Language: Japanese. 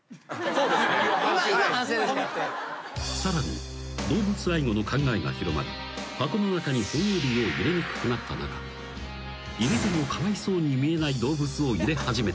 ［さらに動物愛護の考えが広まり箱の中に哺乳類を入れにくくなった中入れてもかわいそうに見えない動物を入れ始めたのだ］